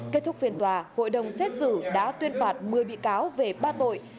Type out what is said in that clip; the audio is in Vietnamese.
kết thúc phiên tòa hội đồng xét xử đã tuyên phạt một mươi bị cáo về ba tội